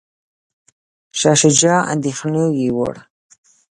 شاه شجاع اندیښنې یووړ.